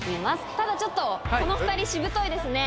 ただちょっとこの２人しぶといですね。